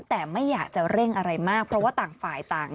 แต่ไม่อยากจะเร่งอะไรมากเพราะว่าต่างฝ่ายต่าง